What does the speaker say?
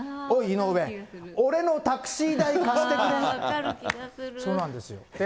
おい井上、俺のタクシー代、貸しそうなんですよ。